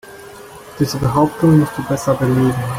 Diese Behauptung musst du besser belegen.